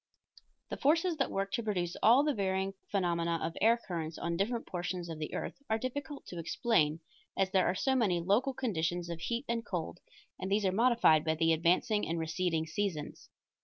The forces that work to produce all the varying phenomena of air currents on different portions of the earth are difficult to explain, as there are so many local conditions of heat and cold, and these are modified by the advancing and receding seasons.